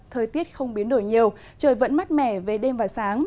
thời tiết không biến đổi nhiều trời vẫn mát mẻ về đêm và sáng